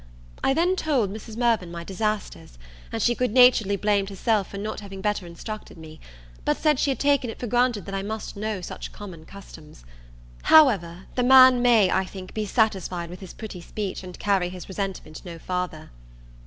I then told Mrs. Mirvan my disasters; and she good naturedly blamed herself for not having better instructed me; but said, she had taken it for granted that I must know such common customs. However, the man may, I think, be satisfied with his pretty speech and carry his resentment no farther.